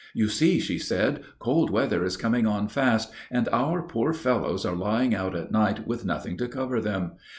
"You see," she said, "cold weather is coming on fast, and our poor fellows are lying out at night with nothing to cover them.